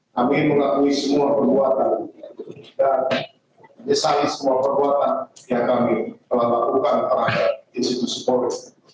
kami mengakui semua perbuatan dan menyesali semua perbuatan yang kami telah lakukan terhadap institusi polri